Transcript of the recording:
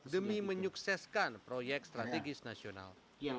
demi menyukseskan proyek strategis nasional